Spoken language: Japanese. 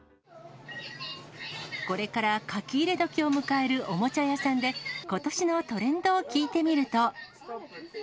これから書き入れ時を迎えるおもちゃ屋さんで、ことしのトレンドを聞いてみると。